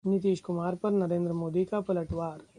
नीतीश कुमार पर नरेंद्र मोदी का पलटवार